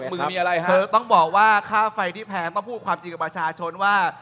คือต้องบอกว่าค่าไฟที่แพงต้องพูดความจริงกับประชาชนว่า